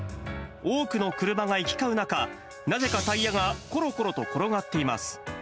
多くの車が行き交う中、なぜかタイヤがころころと転がっています。